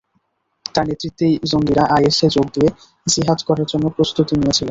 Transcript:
তাঁর নেতৃত্বেই জঙ্গিরা আইএসে যোগ দিয়ে জিহাদ করার জন্য প্রস্তুতি নিয়েছিলেন।